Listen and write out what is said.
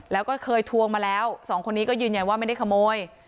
แล้วก็เคยทวงมาแล้วสองคนนี้ก็ยืนยันว่าไม่ได้ขโมย